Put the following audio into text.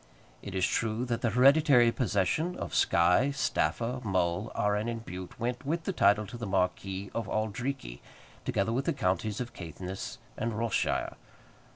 It is true that the hereditary possession of Skye, Staffa, Mull, Arran, and Bute went, with the title, to the Marquis of Auldreekie, together with the counties of Caithness and Ross shire.